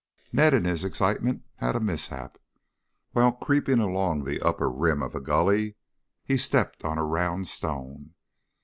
Ned, in his excitement, had a mishap. While creeping along the upper rim of a gully he stepped on a round stone.